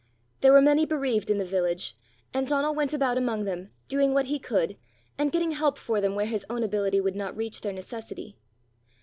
There were many bereaved in the village, and Donal went about among them, doing what he could, and getting help for them where his own ability would not reach their necessity.